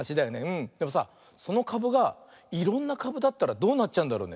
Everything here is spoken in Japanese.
でもさそのかぶがいろんなかぶだったらどうなっちゃうんだろうね？